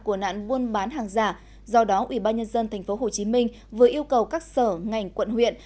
của nạn buôn bán hàng giả do đó ủy ban nhân dân tp hcm vừa yêu cầu các sở ngành quận huyện